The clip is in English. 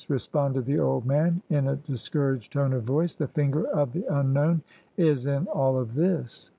responded the old man in a discouraged tone of voice: "the finger of the Un known is in all of this.